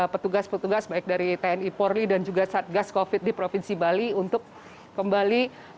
petugas petugas baik dari tni polri dan juga satgas covid di provinsi bali untuk kembali